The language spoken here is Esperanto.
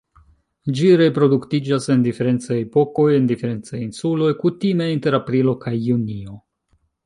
Ĝi reproduktiĝas en diferencaj epokoj en diferencaj insuloj, kutime inter aprilo kaj junio.